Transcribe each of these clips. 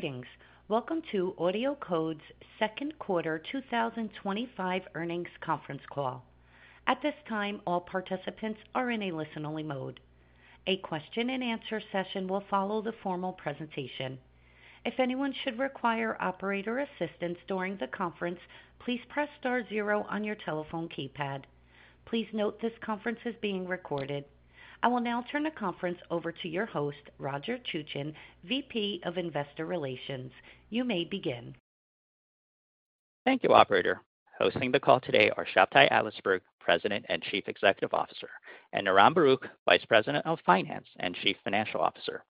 Greetings. Welcome to AudioCodes' second quarter 2025 earnings conference call. At this time, all participants are in a listen-only mode. A question-and-answer session will follow the formal presentation. If anyone should require operator assistance during the conference, please press star zero on your telephone keypad. Please note this conference is being recorded. I will now turn the conference over to your host, Roger Chuchen, VP of Investor Relations. You may begin. Thank you, Operator. Hosting the call today are Shabtai Adlersberg, President and Chief Executive Officer, and Niran Baruch, Vice President of Finance and Chief Financial Officer.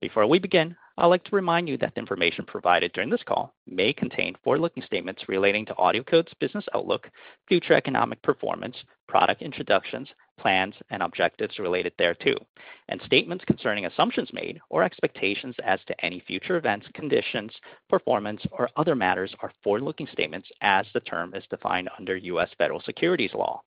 Before we begin, I'd like to remind you that the information provided during this call may contain forward-looking statements relating to AudioCodes' business outlook, future economic performance, product introductions, plans, and objectives related thereto, and statements concerning assumptions made or expectations as to any future events, conditions, performance, or other matters are forward-looking statements as the term is defined under U.S. Federal Securities Law.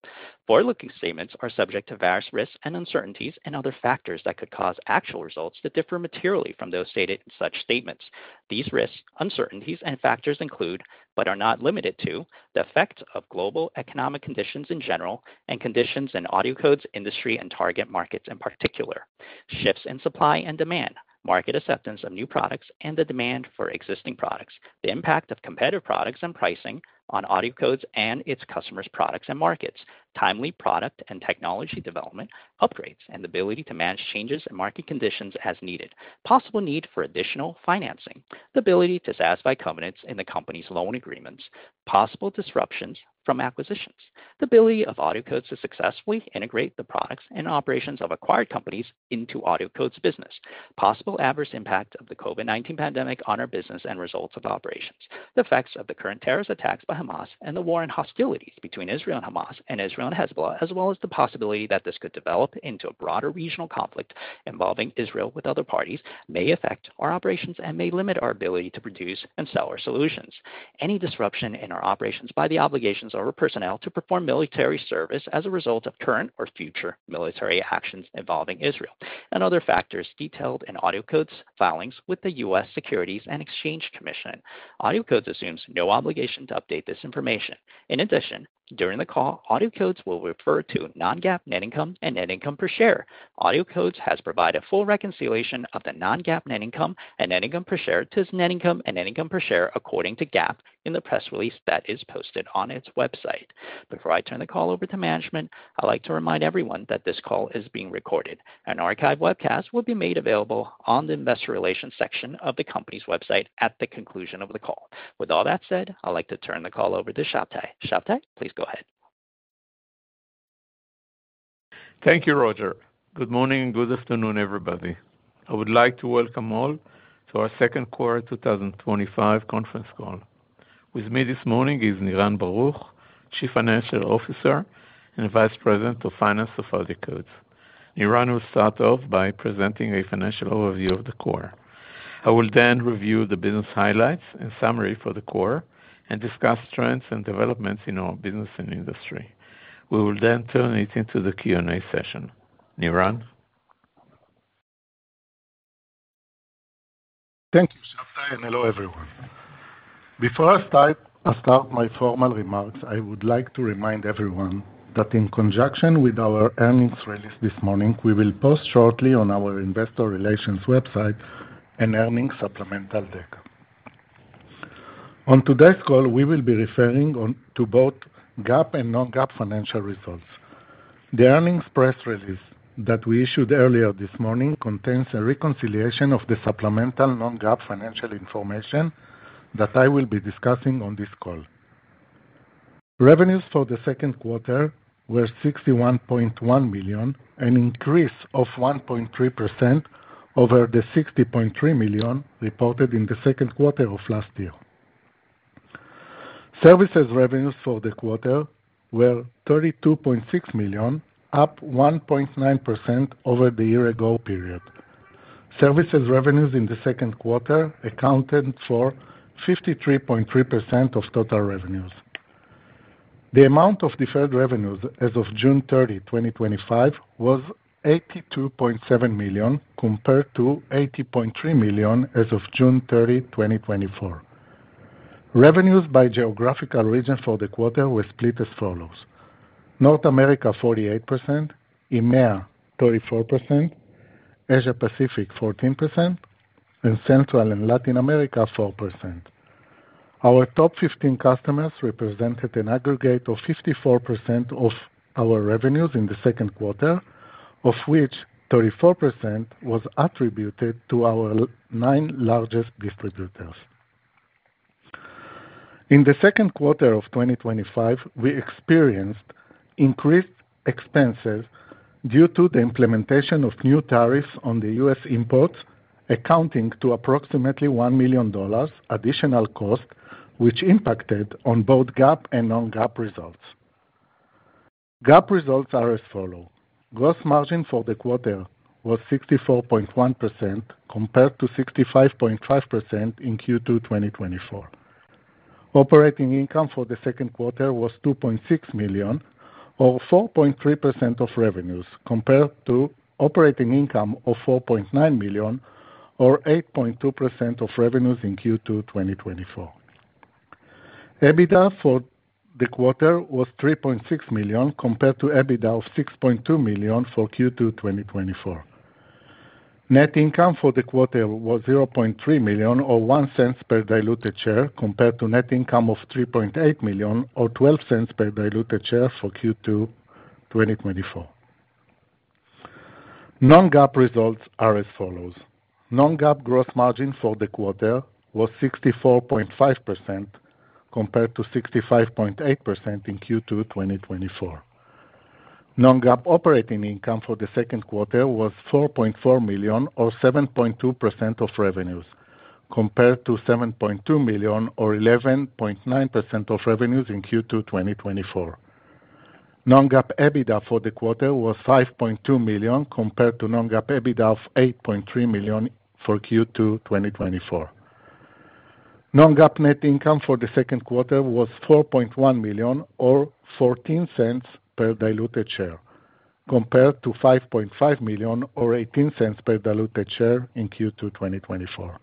Forward-looking statements are subject to various risks and uncertainties and other factors that could cause actual results to differ materially from those stated in such statements. These risks, uncertainties, and factors include, but are not limited to, the effects of global economic conditions in general and conditions in AudioCodes' industry and target markets in particular, shifts in supply and demand, market acceptance of new products and the demand for existing products, the impact of competitor products and pricing on AudioCodes and its customers' products and markets, timely product and technology development upgrades, and the ability to manage changes in market conditions as needed, possible need for additional financing, the ability to satisfy covenants in the company's loan agreements, possible disruptions from acquisitions, the ability of AudioCodes to successfully integrate the products and operations of acquired companies into AudioCodes' business, possible adverse impacts of the COVID-19 pandemic on our business and results of operations. The effects of the current terrorist attacks by Hamas and the war and hostilities between Israel and Hamas and Israel and Hezbollah, as well as the possibility that this could develop into a broader regional conflict involving Israel with other parties, may affect our operations and may limit our ability to produce and sell our solutions, any disruption in our operations by the obligations of our personnel to perform military service as a result of current or future military actions involving Israel, and other factors detailed in AudioCodes' filings with the U.S. Securities and Exchange Commission. AudioCodes assumes no obligation to update this information. In addition, during the call, AudioCodes will refer to non-GAAP net income and net income per share. AudioCodes has provided full reconciliation of the non-GAAP net income and net income per share to net income and net income per share according to GAAP in the press release that is posted on its website. Before I turn the call over to management, I'd like to remind everyone that this call is being recorded. An archived webcast will be made available on the Investor Relations section of the company's website at the conclusion of the call. With all that said, I'd like to turn the call over to Shabtai. Shabtai, please go ahead. Thank you, Roger. Good morning and good afternoon, everybody. I would like to welcome all to our second quarter 2025 conference call. With me this morning is Niran Baruch, Chief Financial Officer and Vice President of Finance of AudioCodes. Niran will start off by presenting a financial overview of the quarter. I will then review the business highlights and summary for the quarter and discuss trends and developments in our business and industry. We will then turn it into the Q&A session. Niran. Thank you, Shabtai, and hello everyone. Before I start my formal remarks, I would like to remind everyone that in conjunction with our earnings release this morning, we will post shortly on our Investor Relations website an earnings supplemental deck. On today's call, we will be referring to both GAAP and non-GAAP financial results. The earnings press release that we issued earlier this morning contains a reconciliation of the supplemental non-GAAP financial information that I will be discussing on this call. Revenues for the second quarter were $61.1 million, an increase of 1.3% over the $60.3 million reported in the second quarter of last year. Services revenues for the quarter were $32.6 million, up 1.9% over the year-ago period. Services revenues in the second quarter accounted for 53.3% of total revenues. The amount of deferred revenues as of June 30, 2025, was $82.7 million compared to $80.3 million as of June 30, 2024. Revenues by geographical region for the quarter were split as follows: North America, 48%; EMEA, 34%; Asia-Pacific, 14%; and Central and Latin America, 4%. Our top 15 customers represented an aggregate of 54% of our revenues in the second quarter, of which 34% was attributed to our nine largest distributors. In the second quarter of 2025, we experienced increased expenses due to the implementation of new tariffs on U.S. imports, accounting for approximately $1 million additional costs, which impacted both GAAP and non-GAAP results. GAAP results are as follows: Gross margin for the quarter was 64.1% compared to 65.5% in Q2 2024. Operating income for the second quarter was $2.6 million, or 4.3% of revenues, compared to operating income of $4.9 million, or 8.2% of revenues in Q2 2024. EBITDA for the quarter was $3.6 million compared to EBITDA of $6.2 million for Q2 2024. Net income for the quarter was $0.3 million or $0.01 per diluted share compared to net income of $3.8 million or $0.12 per diluted share for Q2 2024. Non-GAAP results are as follows: Non-GAAP gross margin for the quarter was 64.5% compared to 65.8% in Q2 2024. Non-GAAP operating income for the second quarter was $4.4 million or 7.2% of revenues, compared to $7.2 million or 11.9% of revenues in Q2 2024. Non-GAAP EBITDA for the quarter was $5.2 million compared to non-GAAP EBITDA of $8.3 million for Q2 2024. Non-GAAP net income for the second quarter was $4.1 million or $0.14 per diluted share, compared to $5.5 million or $0.18 per diluted share in Q2 2024.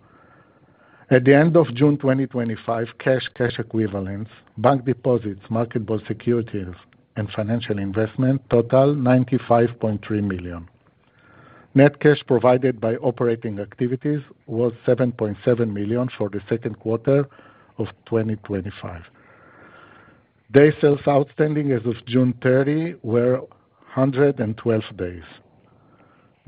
At the end of June 2025, cash, cash equivalents, bank deposits, market-bought securities, and financial investment totaled $95.3 million. Net cash provided by operating activities was $7.7 million for the second quarter of 2025. Day sales outstanding as of June 30 were 112 days.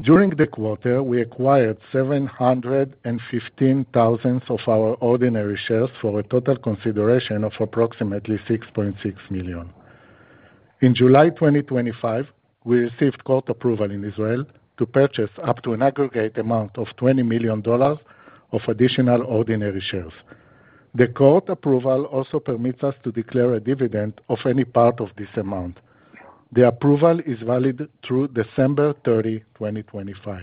During the quarter, we acquired 715,000 of our ordinary shares for a total consideration of approximately $6.6 million. In July 2025, we received court approval in Israel to purchase up to an aggregate amount of $20 million of additional ordinary shares. The court approval also permits us to declare a dividend of any part of this amount. The approval is valid through December 30, 2025.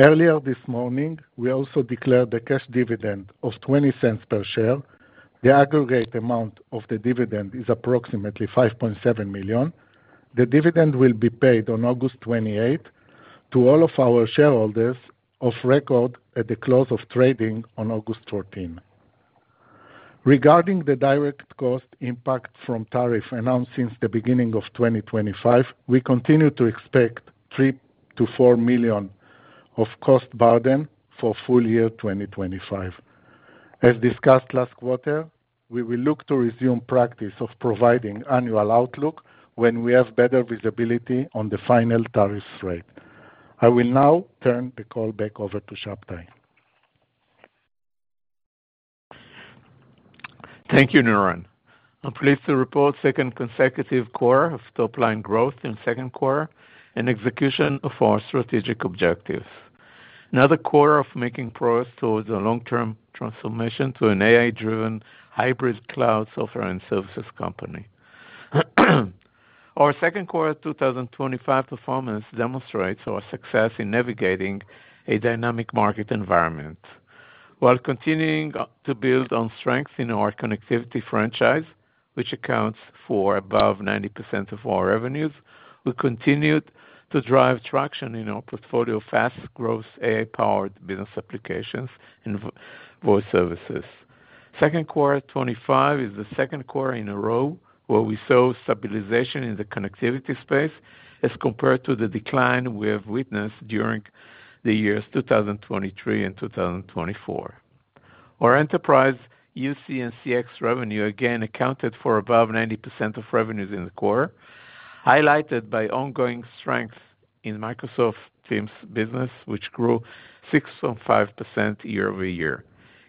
Earlier this morning, we also declared the cash dividend of $0.20 per share. The aggregate amount of the dividend is approximately $5.7 million. The dividend will be paid on August 28 to all of our shareholders of record at the close of trading on August 14. Regarding the direct cost impact from tariffs announced since the beginning of 2025, we continue to expect $3 million-$4 million of cost burden for full year 2025. As discussed last quarter, we will look to resume practice of providing annual outlook when we have better visibility on the final tariffs rate. I will now turn the call back over to Shabtai. Thank you, Niran. I'm pleased to report the second consecutive quarter of top-line growth in the second quarter and execution of our strategic objectives. Another quarter of making progress towards a long-term transformation to an AI-driven hybrid cloud software and services company. Our second quarter 2025 performance demonstrates our success in navigating a dynamic market environment. While continuing to build on strengths in our connectivity franchise, which accounts for above 90% of our revenues, we continued to drive traction in our portfolio of fast-growth AI-powered business applications and voice services. Second quarter 2025 is the second quarter in a row where we saw stabilization in the connectivity space as compared to the decline we have witnessed during the years 2023 and 2024. Our enterprise UC and CX revenue again accounted for above 90% of revenues in the quarter, highlighted by ongoing strength in Microsoft Teams business, which grew 6.5% year-over-year.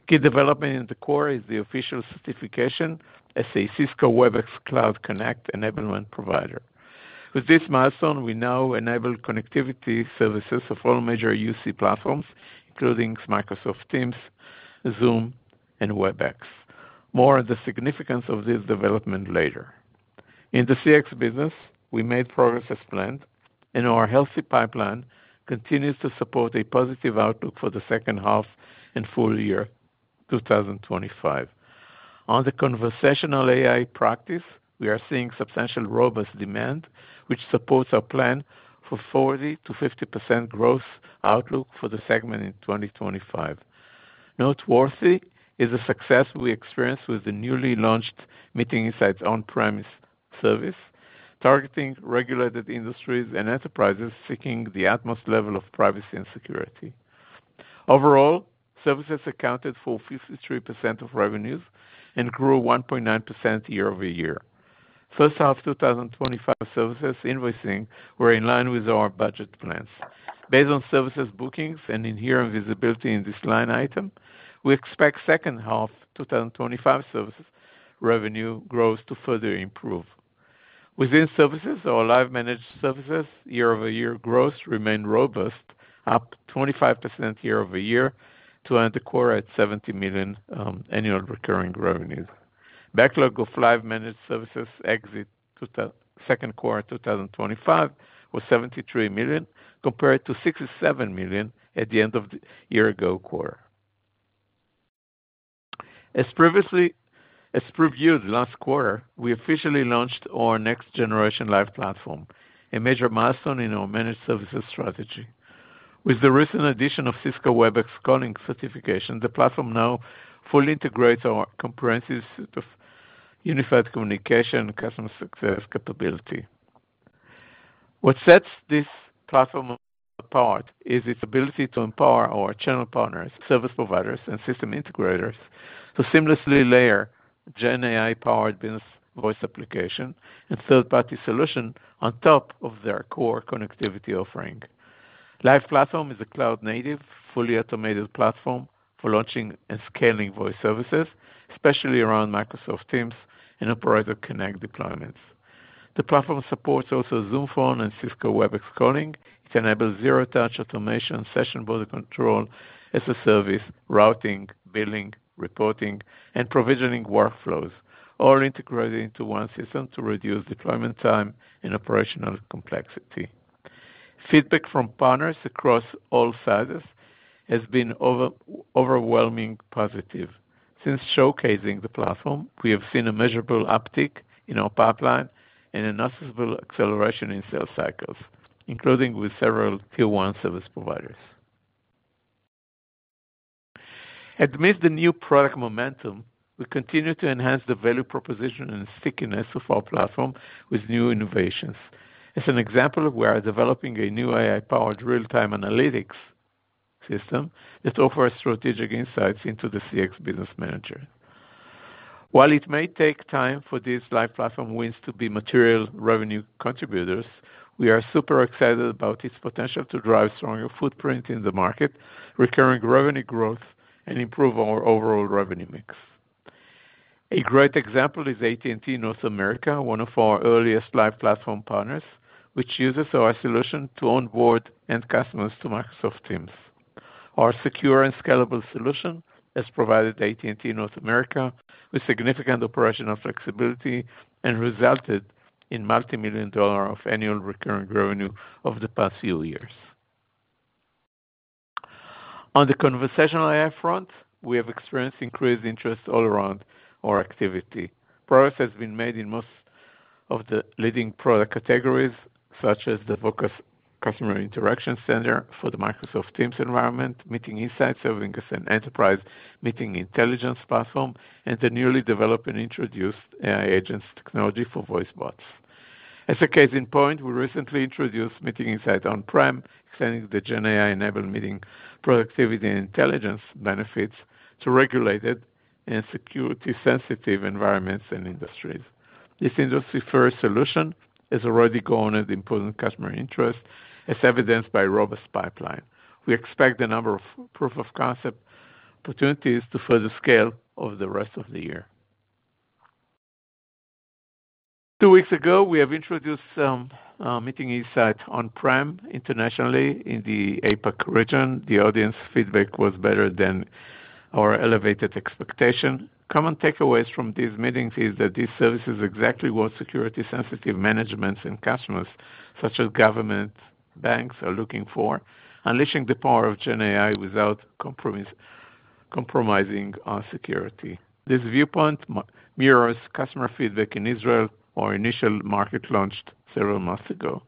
Key development in the quarter is the official certification as a Cisco Webex Cloud Connect and even when provider. With this milestone, we now enable connectivity services of all major UC platforms, including Microsoft Teams, Zoom, and Webex. More on the significance of this development later. In the CX business, we made progress as planned, and our healthy pipeline continues to support a positive outlook for the second half in full year 2025. On the Conversational AI practice, we are seeing substantial robust demand, which supports our plan for 40%-50% growth outlook for the segment in 2025. Noteworthy is the success we experienced with the newly launched Meeting Insights On-Prem service, targeting regulated industries and enterprises seeking the utmost level of privacy and security. Overall, services accounted for 53% of revenues and grew 1.9% year-over-year. First half 2025 services invoicing were in line with our budget plans. Based on services bookings and inherent visibility in this line item, we expect the second half 2025 services revenue growth to further improve. Within services, our Live managed services year-over-year growth remained robust, up 25% year-over-year to end the quarter at $70 million annual recurring revenues. Backlog of Live managed services exit second quarter 2025 was $73 million compared to $67 million at the end of the year-ago quarter. As previewed last quarter, we officially launched our next-generation Live managed services platform, a major milestone in our managed services strategy. With the recent addition of Cisco Webex Calling certification, the platform now fully integrates our comprehensive set of unified communication and customer success capability. What sets this platform apart is its ability to empower our channel partners, service providers, and system integrators to seamlessly layer GenAI-powered business voice application and third-party solutions on top of their core connectivity offering. Live managed services platform is a cloud-native, fully automated platform for launching and scaling voice services, especially around Microsoft Teams and Operator Connect deployments. The platform also supports Zoom Phone and Cisco Webex Calling. It enables zero-touch automation, session border control as a service, routing, billing, reporting, and provisioning workflows, all integrated into one system to reduce deployment time and operational complexity. Feedback from partners across all sizes has been overwhelmingly positive. Since showcasing the platform, we have seen a measurable uptick in our pipeline and a noticeable acceleration in sales cycles, including with several tier-one service providers. Amid the new product momentum, we continue to enhance the value proposition and stickiness of our platform with new innovations. As an example, we are developing a new AI-powered real-time analytics system that offers strategic insights into the CX business manager. While it may take time for these Live managed services platform wins to be material revenue contributors, we are super excited about its potential to drive stronger footprint in the market, recurring revenue growth, and improve our overall revenue mix. A great example is AT&T North America, one of our earliest Live managed services platform partners, which uses our solution to onboard end customers to Microsoft Teams. Our secure and scalable solution has provided AT&T North America with significant operational flexibility and resulted in multi-million dollars of annual recurring revenue over the past few years. On the Conversational AI front, we have experienced increased interest all around our activity. Progress has been made in most of the leading product categories, such as the VOCA Customer Interaction Center for the Microsoft Teams environment, Meeting Insights serving as an enterprise meeting intelligence platform, and the newly developed and introduced AI agents technology for voice bots. As a case in point, we recently introduced Meeting Insights On-Prem, extending the GenAI-enabled meeting productivity and intelligence benefits to regulated and security-sensitive environments and industries. This industry-first solution has already garnered important customer interest, as evidenced by a robust pipeline. We expect a number of proof-of-concept opportunities to further scale over the rest of the year. Two weeks ago, we have introduced some Meeting Insights On-Prem internationally in the APAC region. The audience feedback was better than our elevated expectations. Common takeaways from these meetings are that these services are exactly what security-sensitive managements and customers, such as government banks, are looking for, unleashing the power of GenAI without compromising on security. This viewpoint mirrors customer feedback in Israel, our initial market launched several months ago.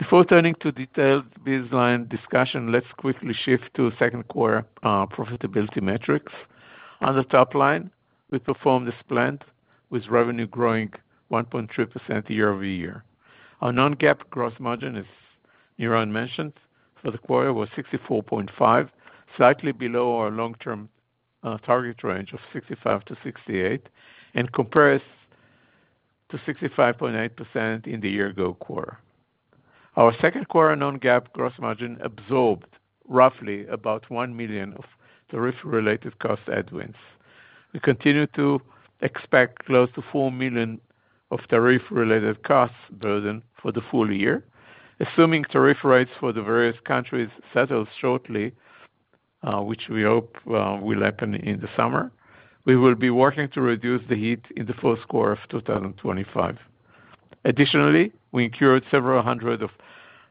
Before turning to detailed baseline discussion, let's quickly shift to the second quarter profitability metrics. On the top line, we performed as planned, with revenue growing 1.3% year-over-year. Our non-GAAP gross margin, as Niran mentioned, for the quarter was 64.5%, slightly below our long-term target range of 65%-68%, and compares to 65.8% in the year-ago quarter. Our second quarter non-GAAP gross margin absorbed roughly about $1 million of tariff-related cost admins. We continue to expect close to $4 million of tariff-related costs burden for the full year. Assuming tariff rates for the various countries settle shortly, which we hope will happen in the summer, we will be working to reduce the heat in the first quarter of 2025. Additionally, we incurred several hundred thousand of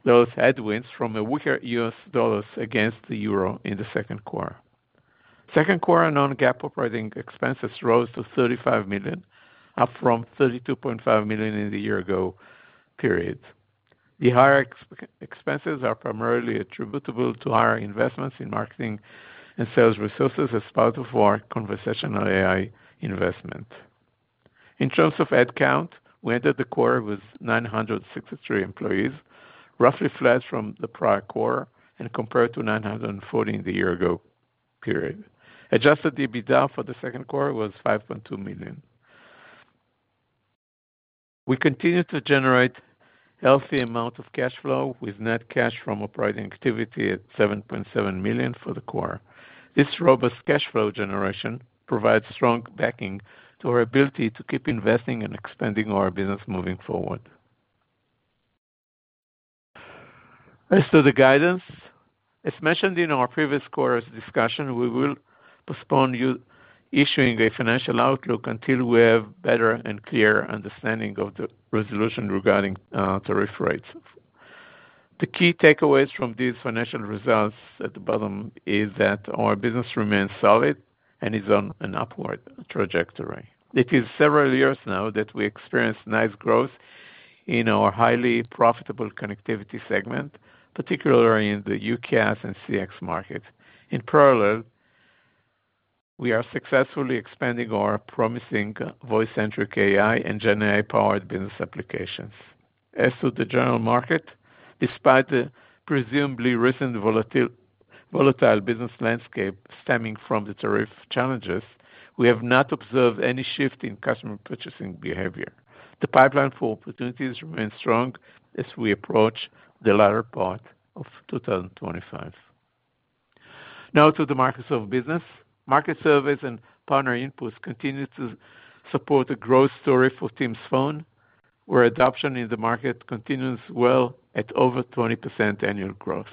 those admins from a weaker U.S. dollar against the euro in the second quarter. Second quarter non-GAAP operating expenses rose to $35 million, up from $32.5 million in the year-ago period. The higher expenses are primarily attributable to higher investments in marketing and sales resources as part of our Conversational AI investment. In terms of headcount, we ended the quarter with 963 employees, roughly flat from the prior quarter and compared to 940 in the year-ago period. Adjusted EBITDA for the second quarter was $5.2 million. We continue to generate a healthy amount of cash flow, with net cash from operating activity at $7.7 million for the quarter. This robust cash flow generation provides strong backing to our ability to keep investing and expanding our business moving forward. As to the guidance, as mentioned in our previous quarter's discussion, we will postpone issuing a financial outlook until we have a better and clear understanding of the resolution regarding tariff rates. The key takeaways from these financial results at the bottom are that our business remains solid and is on an upward trajectory. It is several years now that we experienced nice growth in our highly profitable connectivity segment, particularly in the UCaaS and CX markets. In parallel, we are successfully expanding our promising voice-centric AI and GenAI-powered business applications. As to the general market, despite the presumably recent volatile business landscape stemming from the tariff challenges, we have not observed any shift in customer purchasing behavior. The pipeline for opportunities remains strong as we approach the latter part of 2025. Now to the Microsoft business. Market surveys and partner inputs continue to support the growth story for Teams Phone, where adoption in the market continues well at over 20% annual growth.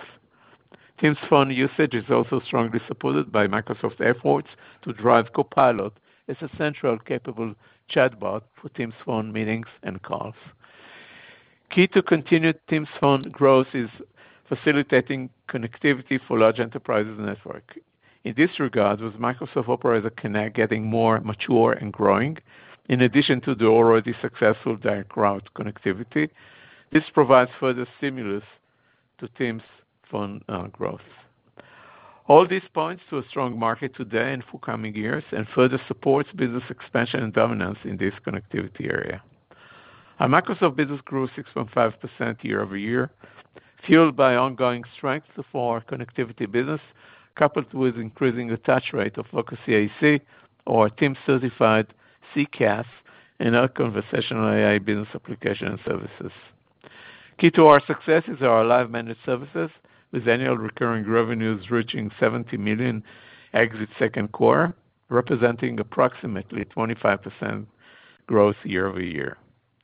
Teams Phone usage is also strongly supported by Microsoft's efforts to drive Copilot as a central capable chatbot for Teams Phone meetings and calls. Key to continued Teams Phone growth is facilitating connectivity for large enterprises' networks. In this regard, with Microsoft Operator Connect getting more mature and growing, in addition to the already successful Direct Route connectivity, this provides further stimulus to Teams Phone growth. All this points to a strong market today and for coming years, and further supports business expansion and dominance in this connectivity area. Our Microsoft business grew 6.5% year-over-year, fueled by ongoing strength of our connectivity business, coupled with increasing attach rate of VOCA CCaaC, or Teams-certified CCaaS, and our Conversational AI business application and services. Key to our success is our live managed services, with annual recurring revenues reaching $70 million exit second quarter, representing approximately 25% growth year-over-year.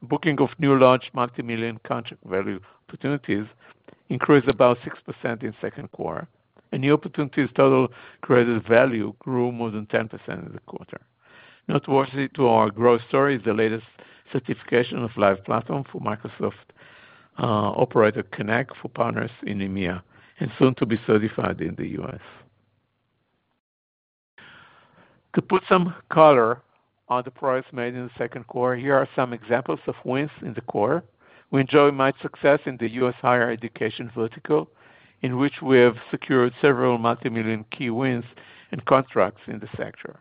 Booking of new launched multimillion contract value opportunities increased about 6% in the second quarter, and the opportunities' total created value grew more than 10% in the quarter. Noteworthy to our growth story is the latest certification of Live managed services platform for Microsoft Operator Connect for partners in EMEA, and soon to be certified in the U.S. To put some color on the progress made in the second quarter, here are some examples of wins in the quarter. We enjoy much success in the U.S. higher education vertical, in which we have secured several multimillion key wins and contracts in the sector.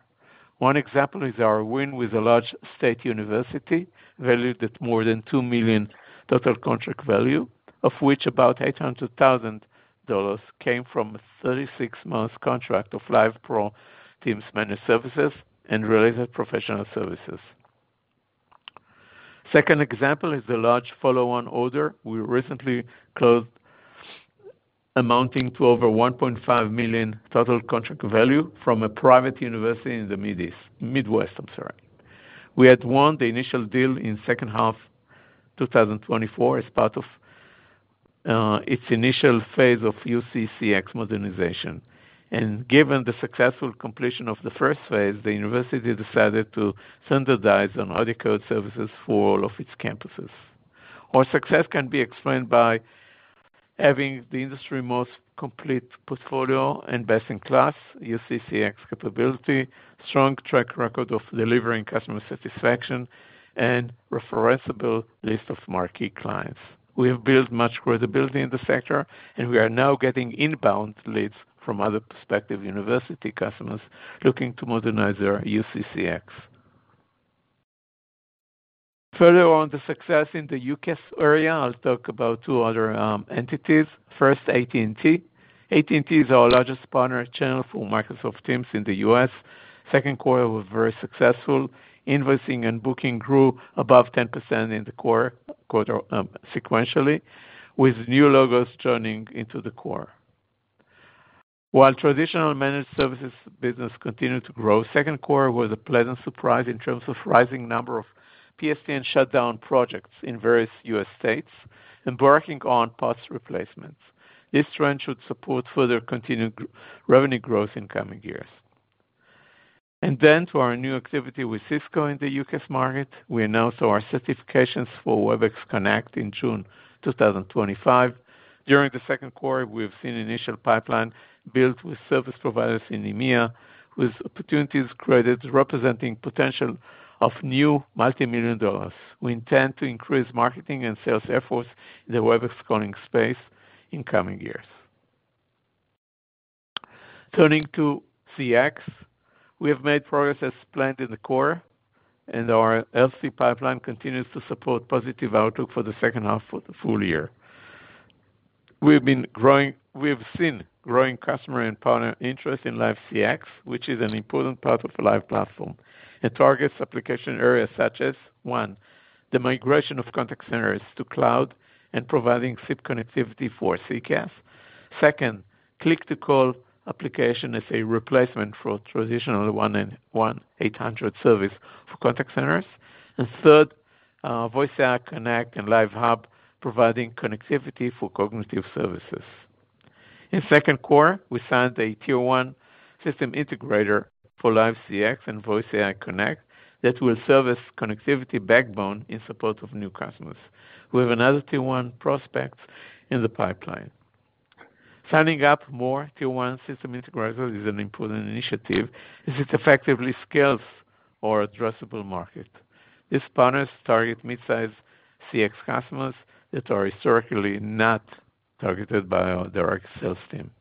One example is our win with a large state university, valued at more than $2 million total contract value, of which about $800,000 came from a 36-month contract of Live Pro Teams Managed Services and Related Professional Services. Second example is the large follow-on order we recently closed, amounting to over $1.5 million total contract value from a private university in the Midwest of Surrey. We had won the initial deal in the second half of 2024 as part of its initial phase of UC-CX modernization. Given the successful completion of the first phase, the university decided to standardize on AudioCodes services for all of its campuses. Our success can be explained by having the industry's most complete portfolio and best-in-class UC-CX capability, a strong track record of delivering customer satisfaction, and a referenceable list of marquee clients. We have built much credibility in the sector, and we are now getting inbound leads from other prospective university customers looking to modernize their UC-CX. Further on the success in the U.K. area, I'll talk about two other entities. First, AT&T. AT&T is our largest partner channel for Microsoft Teams in the U.S. Second quarter was very successful. Invoicing and booking grew above 10% in the quarter sequentially, with new logos turning into the quarter. While traditional managed services business continued to grow, the second quarter was a pleasant surprise in terms of the rising number of PSTN shutdown projects in various U.S. states embarking on parts replacements. This trend should support further continued revenue growth in coming years. To our new activity with Cisco in the U.K. market, we announced our certifications for Cisco Webex Cloud Connect in June 2025. During the second quarter, we have seen the initial pipeline built with service providers in EMEA, with opportunities created representing the potential of new multimillion dollars. We intend to increase marketing and sales efforts in the Webex Calling space in coming years. Turning to CX, we have made progress as planned in the quarter, and our healthy pipeline continues to support a positive outlook for the second half of the full year. We've been growing. We have seen growing customer and partner interest in Live CX, which is an important part of the live platform and targets application areas such as, one, the migration of contact centers to cloud and providing SIP connectivity for CCaaS. Second, click-to-call application as a replacement for traditional one-in-one 800 service for contact centers. Third, Voice AI Connect and Live Hub providing connectivity for cognitive services. In the second quarter, we signed a tier-one system integrator for Live CX and Voice AI Connect that will serve as a connectivity backbone in support of new customers. We have another tier-one prospect in the pipeline. Signing up more tier-one system integrators is an important initiative as it effectively scales our addressable market. These partners target mid-sized CX customers that are historically not targeted by our direct sales team.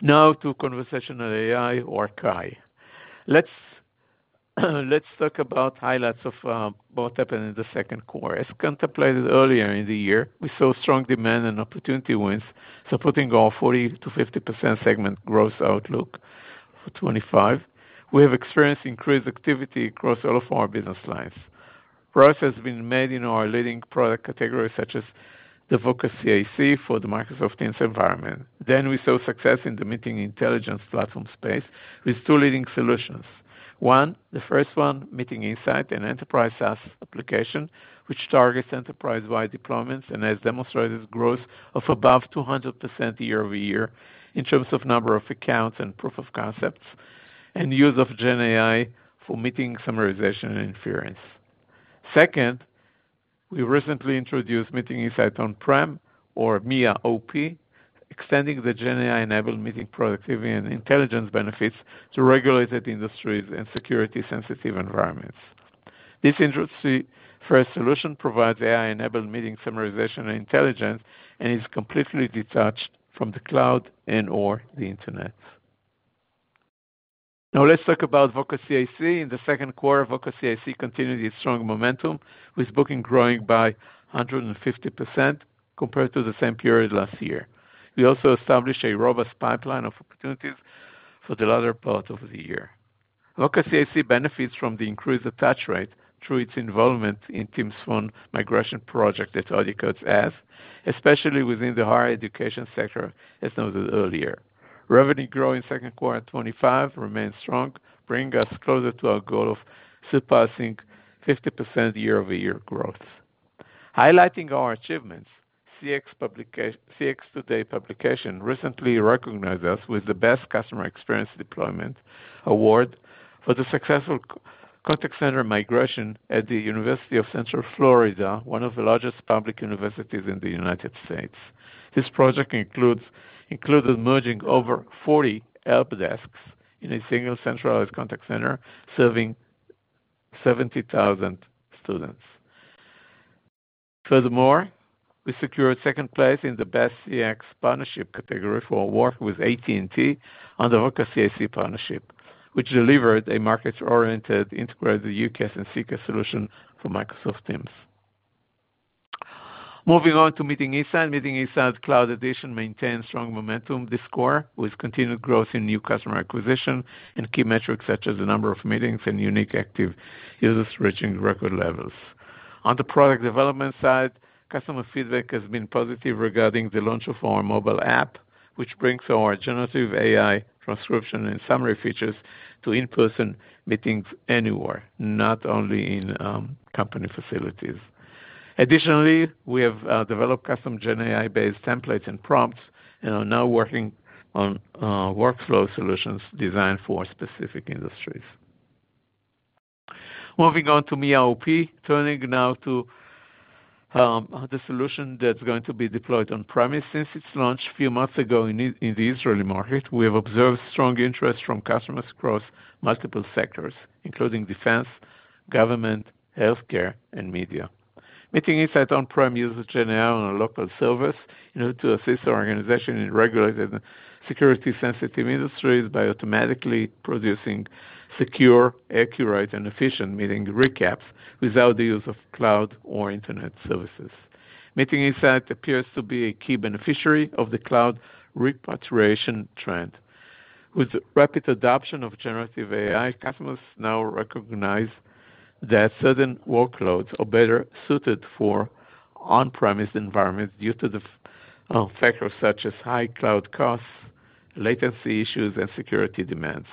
Now to Conversational AI or CAI. Let's talk about highlights of what happened in the second quarter. As contemplated earlier in the year, we saw strong demand and opportunity wins supporting our 40%-50% segment growth outlook for 2025. We have experienced increased activity across all of our business lines. Progress has been made in our leading product categories such as the VOCA Customer Interaction Center for the Microsoft Teams environment. We saw success in the meeting intelligence platform space with two leading solutions. One, the first one, Meeting Insights, an enterprise SaaS application, which targets enterprise-wide deployments and has demonstrated growth of above 200% year-over-year in terms of the number of accounts and proof of concepts and the use of GenAI for meeting summarization and inference. Second, we recently introduced Meeting Insights On-Prem or MIA OP, extending the GenAI-enabled meeting productivity and intelligence benefits to regulated industries and security-sensitive environments. This industry-first solution provides AI-enabled meeting summarization and intelligence and is completely detached from the cloud and/or the Internet. Now let's talk about VOCA CCaaS. In the second quarter, VOCA CCaaS continued its strong momentum, with booking growing by 150% compared to the same period last year. We also established a robust pipeline of opportunities for the latter part of the year. VOCA CCaaS benefits from the increased attach rate through its involvement in the Teams Phone migration project that AudioCodes has, especially within the higher education sector, as noted earlier. Revenue growth in the second quarter 2025 remains strong, bringing us closer to our goal of surpassing 50% year-over-year growth. Highlighting our achievements, CX Today publication recently recognized us with the Best Customer Experience Deployment Award for the successful contact center migration at the University of Central Florida, one of the largest public universities in the U.S. This project included merging over 40 help desks in a single centralized contact center serving 70,000 students. Furthermore, we secured second place in the Best CX Partnership category for our work with AT&T on the VOCA CCaaS partnership, which delivered a market-oriented, integrated UK and CK solution for Microsoft Teams. Moving on to Meeting Insight, Meeting Insights Cloud Edition maintains strong momentum this quarter with continued growth in new customer acquisition and key metrics such as the number of meetings and unique active users reaching record levels. On the product development side, customer feedback has been positive regarding the launch of our mobile app, which brings our generative AI transcription and summary features to in-person meetings anywhere, not only in company facilities. Additionally, we have developed custom GenAI-based templates and prompts and are now working on workflow solutions designed for specific industries. Moving on to MIA OP, turning now to the solution that's going to be deployed on-premise since its launch a few months ago in the Israeli market, we have observed strong interest from customers across multiple sectors, including defense, government, healthcare, and media. Meeting Insights On-Prem uses GenAI on a local server in order to assist our organization in regulated and security-sensitive industries by automatically producing secure, accurate, and efficient meeting recaps without the use of cloud or internet services. Meeting Insights On-Prem appears to be a key beneficiary of the cloud repatriation trend. With rapid adoption of generative AI, customers now recognize that certain workloads are better suited for on-premise environments due to factors such as high cloud costs, latency issues, and security demands.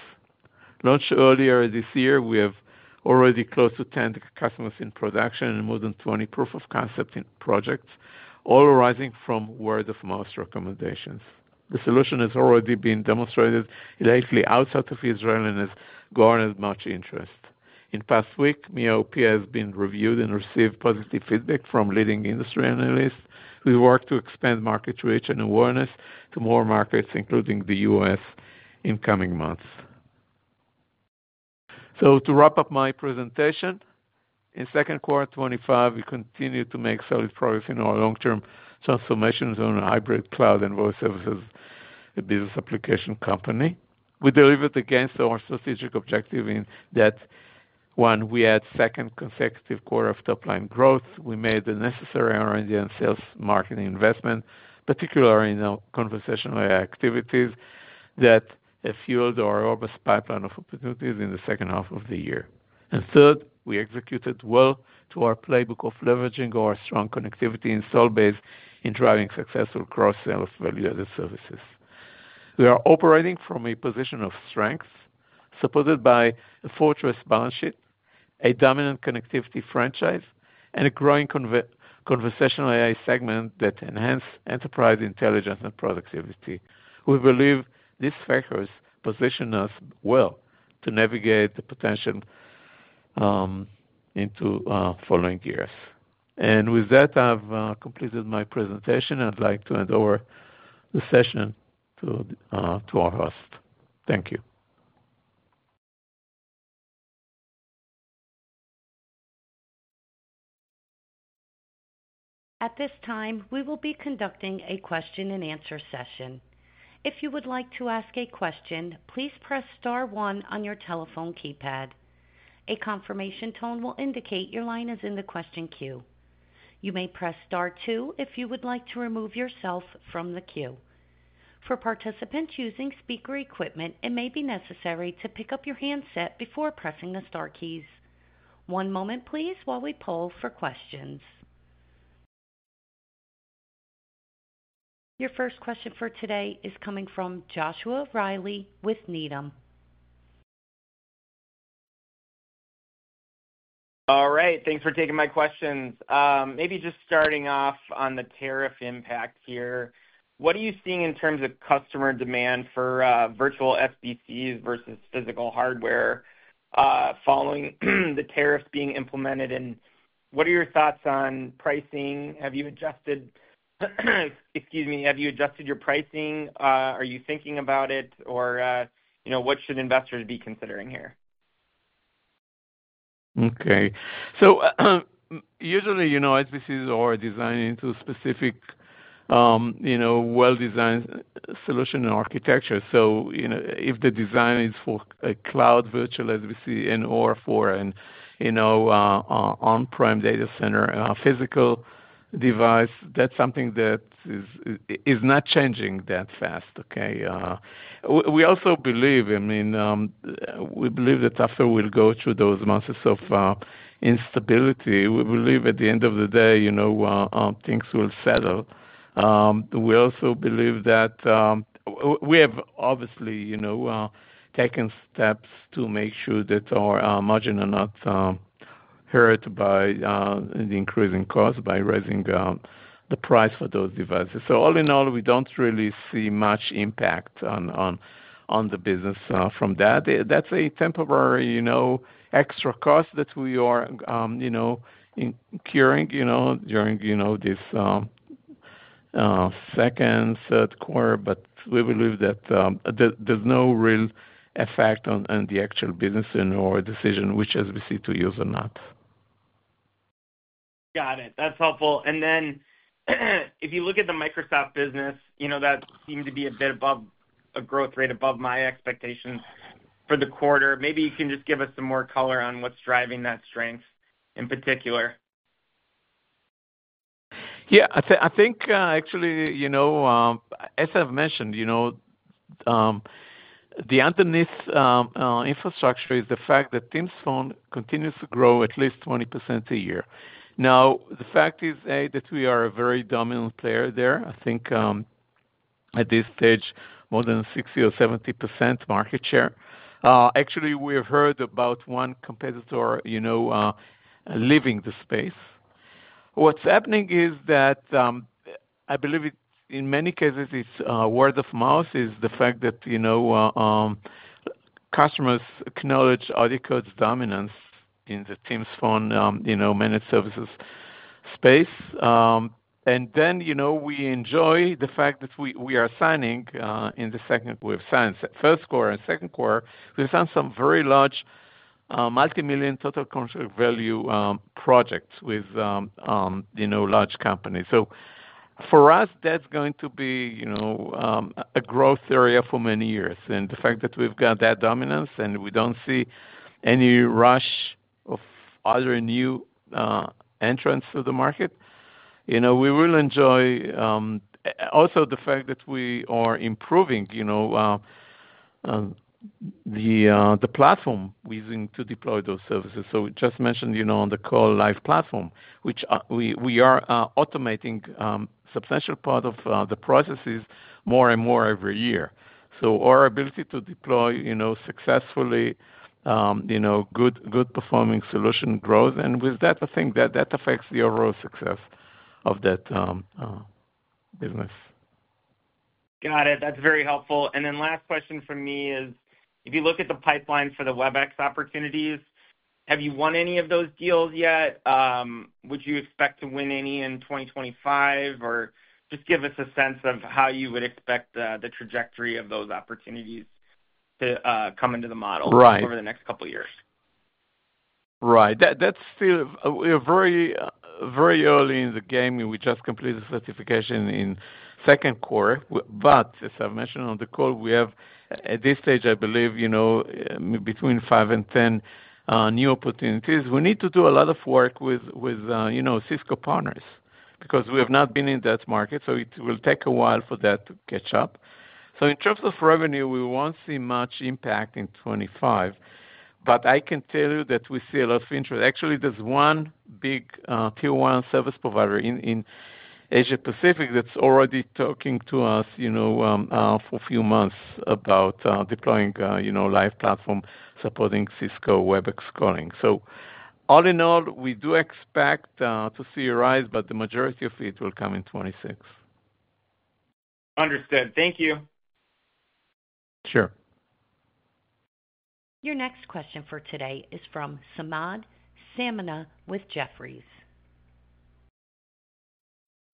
Launched earlier this year, we have already close to 10 customers in production and more than 20 proof of concept projects, all arising from word-of-mouth recommendations. The solution has already been demonstrated lately outside of Israel and has garnered much interest. In the past week, Meeting Insights On-Prem has been reviewed and received positive feedback from leading industry analysts who work to expand market reach and awareness to more markets, including the U.S., in the coming months. To wrap up my presentation, in the second quarter of 2025, we continue to make solid progress in our long-term transformation to an AI-driven hybrid cloud and voice services business application company. We delivered against our strategic objective in that we had a second consecutive quarter of top-line growth, we made the necessary R&D and sales marketing investment, particularly in our Conversational AI activities that have fueled our robust pipeline of opportunities in the second half of the year. Third, we executed well to our playbook of leveraging our strong connectivity install base in driving successful cross-sales of value-added services. We are operating from a position of strength, supported by a fortress balance sheet, a dominant connectivity franchise, and a growing Conversational AI segment that enhances enterprise intelligence and productivity. We believe these factors position us well to navigate the potential into the following years. With that, I've completed my presentation. I'd like to hand over the session to our host. Thank you. At this time, we will be conducting a question-and-answer session. If you would like to ask a question, please press star one on your telephone keypad. A confirmation tone will indicate your line is in the question queue. You may press star two if you would like to remove yourself from the queue. For participants using speaker equipment, it may be necessary to pick up your handset before pressing the star keys. One moment, please, while we poll for questions. Your first question for today is coming from Joshua Reilly with Needham. All right. Thanks for taking my question. Maybe just starting off on the tariff impact here, what are you seeing in terms of customer demand for virtual SBCs versus physical hardware following the tariffs being implemented? What are your thoughts on pricing? Have you adjusted your pricing? Are you thinking about it, or what should investors be considering here? Okay. Usually, you know SBCs are designed into specific, well-designed solution and architecture. If the design is for a cloud virtual SBC and/or for an on-prem data center physical device, that's something that is not changing that fast. We also believe that after we'll go through those months of instability, at the end of the day, things will settle. We also believe that we have obviously taken steps to make sure that our margins are not hurt by the increase in cost by raising the price for those devices. All in all, we don't really see much impact on the business from that. That's a temporary extra cost that we are incurring during this second, third quarter, but we believe that there's no real effect on the actual business and/or decision which SBC to use or not. Got it. That's helpful. If you look at the Microsoft business, you know that seemed to be a bit above a growth rate above my expectation for the quarter. Maybe you can just give us some more color on what's driving that strength in particular. Yeah. I think actually, as I've mentioned, the underneath infrastructure is the fact that Teams Phone continues to grow at least 20% a year. Now, the fact is that we are a very dominant player there. I think at this stage, more than 60% or 70% market share. Actually, we have heard about one competitor leaving the space. What's happening is that I believe in many cases it's word-of-mouth, the fact that customers acknowledge AudioCodes' dominance in the Teams Phone managed services space. We enjoy the fact that we are signing in the second quarter. We have signed the first quarter and second quarter. We've done some very large multimillion total contract value projects with large companies. For us, that's going to be a growth area for many years. The fact that we've got that dominance and we don't see any rush of other new entrants to the market, we will enjoy also the fact that we are improving the platform we're using to deploy those services. We just mentioned on the call Live managed services platform, which we are automating a substantial part of the processes more and more every year. Our ability to deploy successfully good, good performing solution growth. With that, I think that affects the overall success of that business. Got it. That's very helpful. Last question from me is if you look at the pipeline for the Webex opportunities, have you won any of those deals yet? Would you expect to win any in 2025, or just give us a sense of how you would expect the trajectory of those opportunities to come into the model over the next couple of years? Right. We are very, very early in the game. We just completed the certification in the second quarter. As I've mentioned on the call, we have at this stage, I believe, between 5 and 10 new opportunities. We need to do a lot of work with Cisco partners because we have not been in that market. It will take a while for that to catch up. In terms of revenue, we won't see much impact in 2025. I can tell you that we see a lot of interest. Actually, there's one big tier-one service provider in Asia Pacific that's already talking to us for a few months about deploying live platform supporting Cisco Webex Calling. All in all, we do expect to see a rise, but the majority of it will come in 2026. Understood. Thank you. Sure. Your next question for today is from Samad Samana with Jefferies.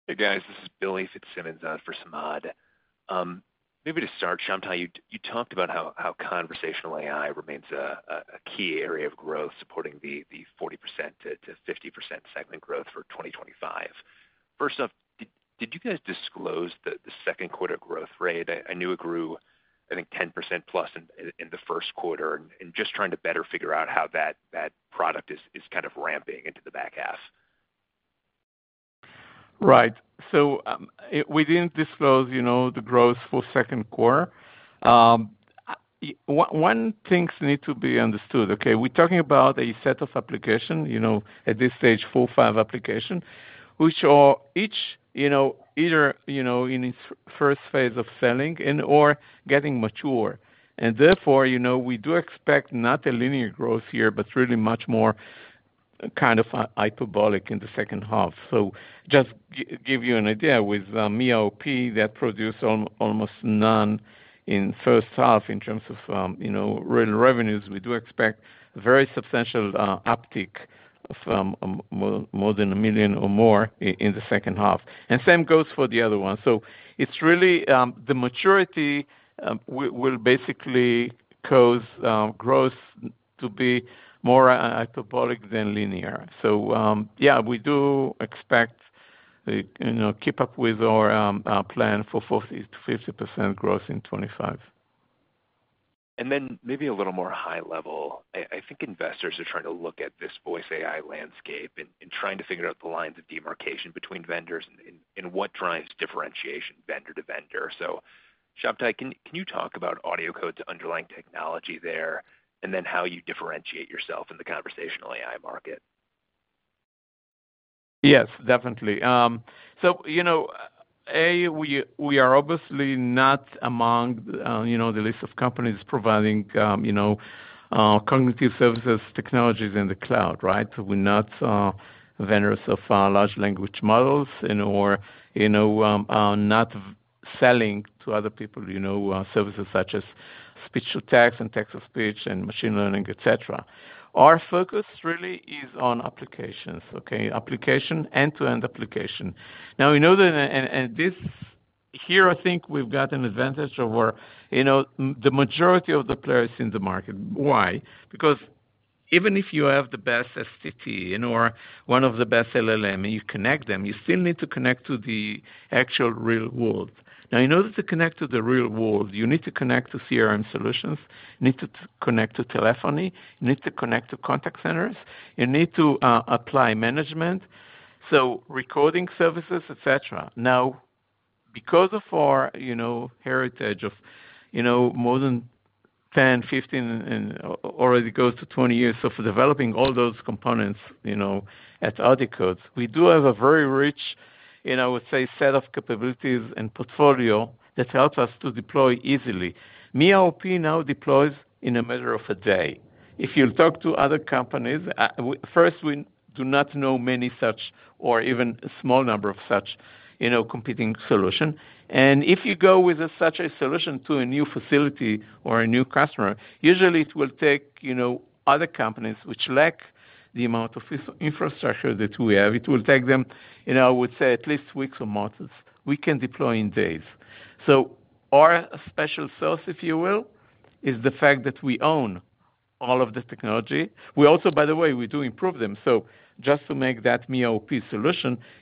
Hey, guys. This is Billy from Siemens for Samad. Maybe to start, Shabtai, you talked about how Conversational AI remains a key area of growth, supporting the 40%-50% segment growth for 2025. First off, did you guys disclose the second quarter growth rate? I knew it grew, I think, 10%+ in the first quarter and just trying to better figure out how that product is kind of ramping into the back half. Right. We didn't disclose the growth for the second quarter. One thing needs to be understood. We're talking about a set of applications, at this stage, four or five applications, which are each either in its first phase of selling and/or getting mature. Therefore, we do expect not a linear growth here, but really much more kind of hyperbolic in the second half. Just to give you an idea, with MIA OP that produced almost none in the first half in terms of real revenues, we do expect a very substantial uptick of more than $1 million or more in the second half. The same goes for the other one. The maturity will basically cause growth to be more hyperbolic than linear. We do expect to keep up with our plan for 40%-50% growth in 2025. Maybe a little more high level, I think investors are trying to look at this voice AI landscape and trying to figure out the lines of demarcation between vendors and what drives differentiation vendor to vendor. Shabtai, can you talk about AudioCodes' underlying technology there and then how you differentiate yourself in the Conversational AI market? Yes, definitely. We are obviously not among the list of companies providing cognitive services technologies in the cloud, right? We're not vendors of large language models and/or not selling to other people services such as speech-to-text and text-to-speech and machine learning, etc. Our focus really is on applications, application, end-to-end application. We know that, and this here, I think we've got an advantage over the majority of the players in the market. Why? Because even if you have the best STT and/or one of the best LLMs and you connect them, you still need to connect to the actual real world. In order to connect to the real world, you need to connect to CRM solutions, you need to connect to telephony, you need to connect to contact centers, you need to apply management, recording services, etc. Because of our heritage of more than 10, 15, and already goes to 20 years of developing all those components at AudioCodes, we do have a very rich, and I would say, set of capabilities and portfolio that helps us to deploy easily. Meeting Insights On-Prem now deploys in a matter of a day. If you talk to other companies, first, we do not know many such or even a small number of such competing solutions. If you go with such a solution to a new facility or a new customer, usually it will take other companies, which lack the amount of infrastructure that we have, it will take them, I would say, at least weeks or months. We can deploy in days. Our special sauce, if you will, is the fact that we own all of the technology. We also, by the way, do improve them. Just to make that Meeting Insights On-Prem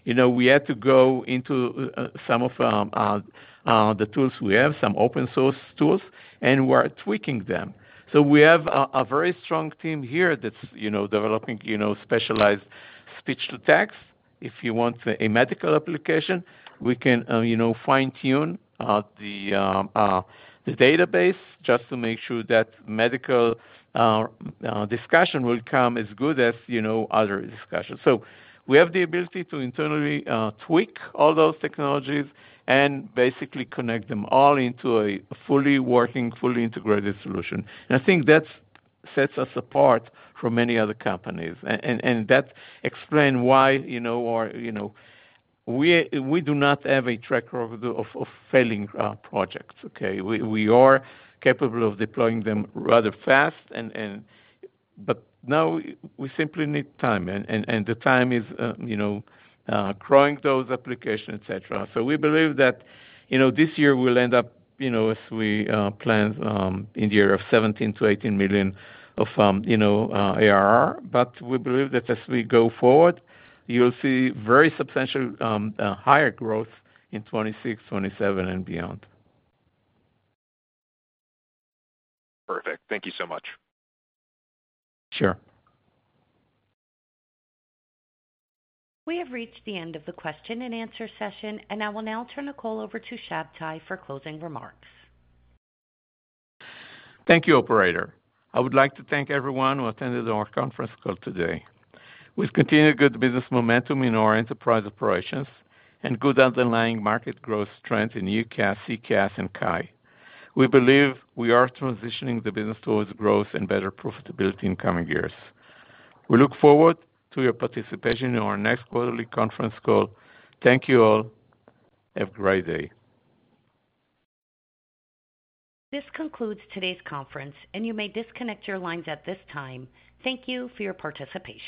solution, we had to go into some of the tools we have, some open-source tools, and we're tweaking them. We have a very strong team here that's developing specialized speech-to-text. If you want a medical application, we can fine-tune the database just to make sure that medical discussion will come as good as other discussions. We have the ability to internally tweak all those technologies and basically connect them all into a fully working, fully integrated solution. I think that sets us apart from many other companies. That explains why we do not have a tracker of failing projects. We are capable of deploying them rather fast, but now we simply need time. The time is growing those applications, etc. We believe that this year we'll end up, as we planned, in the area of $17 million-$18 million of ARR. We believe that as we go forward, you'll see very substantial higher growth in 2026, 2027, and beyond. Perfect. Thank you so much. Sure. We have reached the end of the question-and-answer session, and I will now turn the call over to Shabtai Adlersberg for closing remarks. Thank you, Operator. I would like to thank everyone who attended our conference call today. We've continued good business momentum in our enterprise operations and good underlying market growth strength in UCaaS, CCaaS, and Conversational AI. We believe we are transitioning the business towards growth and better profitability in the coming years. We look forward to your participation in our next quarterly conference call. Thank you all. Have a great day. This concludes today's conference, and you may disconnect your lines at this time. Thank you for your participation.